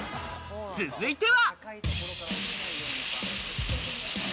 続いては。